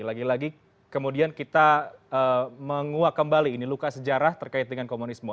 lagi lagi kemudian kita menguak kembali ini luka sejarah terkait dengan komunisme